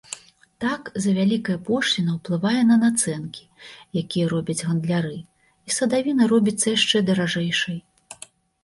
Так завялікая пошліна ўплывае на нацэнкі, якія робяць гандляры, і садавіна робіцца яшчэ даражэйшай.